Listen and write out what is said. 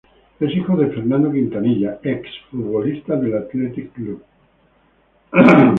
Es hijo de Fernando Quintanilla, exfutbolista del Athletic Club.